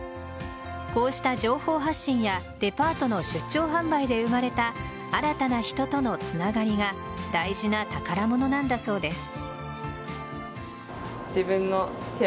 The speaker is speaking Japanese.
こうした情報発信やデパートの出張販売で生まれた新たな人とのつながりが大事な宝物なんだそうです。